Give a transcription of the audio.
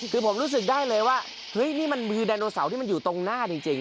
คือผมรู้สึกได้เลยว่าเฮ้ยนี่มันมือไดโนเสาร์ที่มันอยู่ตรงหน้าจริง